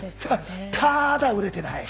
ただ売れてない。